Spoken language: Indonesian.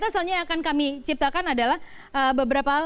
soalnya yang akan kami ciptakan adalah beberapa hal